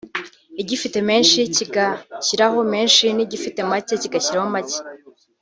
igifite menshi kigashyiramo menshi n’igifite make kigashyiramo make